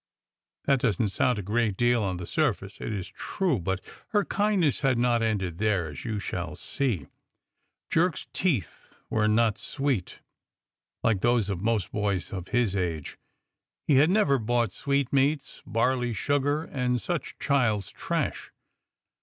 That doesn't sound a great deal on the surface, it is true, but her kindness had not ended there, as you shall see. Jerk's teeth were not sweet, like those of most boys of his age; he never bought sweetmeats, barley sugar, and such child's trash.